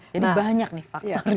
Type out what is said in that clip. jadi banyak nih faktornya